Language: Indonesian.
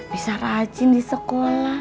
bisa rajin di sekolah